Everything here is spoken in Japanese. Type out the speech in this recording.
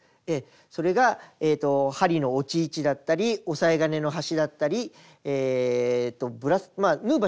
それが針の落ち位置だったり押さえ金の端だったり縫う場所によってね